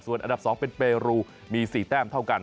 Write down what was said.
อันดับ๒เป็นเปรูมี๔แต้มเท่ากัน